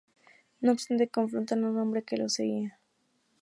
No obstante confrontan a un hombre que los seguía.